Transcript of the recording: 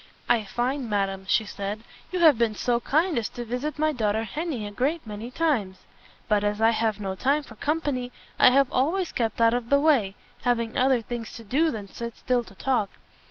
"I find, madam," she said, "you have been so kind as to visit my daughter Henny a great many times, but as I have no time for company, I have always kept out of the way, having other things to do than sit still to talk.